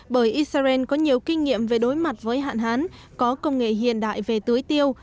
bởi israel có nhiều kinh nghiệm về đối mặt với hạn hán có công nghệ hiện đại về tưới tiêu